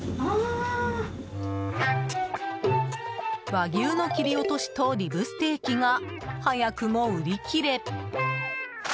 和牛の切り落としとリブステーキが、早くも売り切れ。